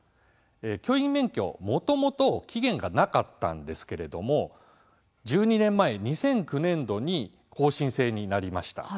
教員免許は、もともと期限がなかったんですけれども１２年前、２００９年度に更新制になりました。